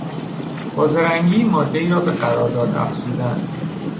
با زرنگی مادهای را به قرارداد افزودن